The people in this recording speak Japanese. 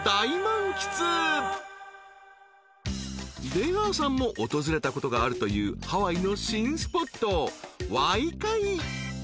［出川さんも訪れたことがあるというハワイの新スポットワイカイ］